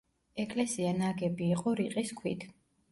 ეკლესია ნაგები იყო რიყის ქვით.